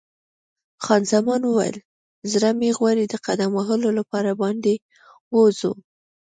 خان زمان وویل: زړه مې غواړي د قدم وهلو لپاره باندې ووځو.